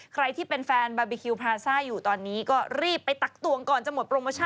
ใครที่เป็นแฟนบาร์บีคิวพลาซ่าอยู่ตอนนี้ก็รีบไปตักตวงก่อนจะหมดโปรโมชั่น